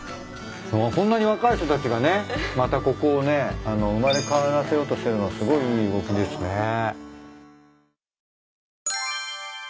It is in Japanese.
こんなに若い人たちがねまたここをね生まれ変わらせようとしてるのはすごいいい動きですね。